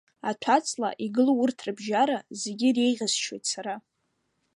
Аҭәаҵла, игылоу урҭ рыбжьара, зегьы иреиӷьасшьоит сара.